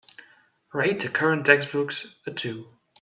Rate the current textbook a two